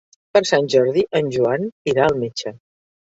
Per Sant Jordi en Joan irà al metge.